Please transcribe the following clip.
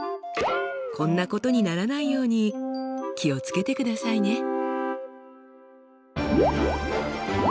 こんなことにならないように気を付けてくださいね！